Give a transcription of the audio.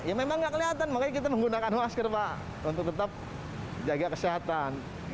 ya memang nggak kelihatan makanya kita menggunakan masker pak untuk tetap jaga kesehatan